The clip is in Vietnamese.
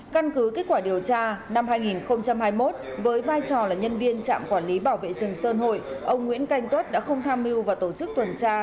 căn cứ kết quả điều tra năm hai nghìn hai mươi một với vai trò là nhân viên trạm quản lý bảo vệ rừng sơn hội ông nguyễn canh tuất đã không tham mưu và tổ chức tuần tra